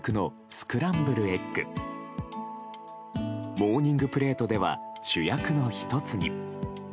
モーニングプレートでは主役の１つに。